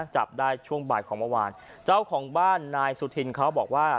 จับได้ช่วงบ่ายของเมื่อวานเจ้าของบ้านนายสุธินเขาบอกว่า